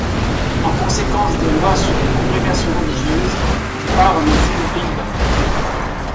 En conséquence des lois sur les congrégations religieuses, il part en exil aux Pays-Bas.